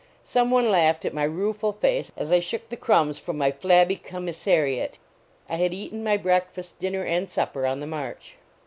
Some one laughed at my rueful face as I shook the crumbs from my flabby commissariat. I had eaten my breakfast, dinner and supper on the march.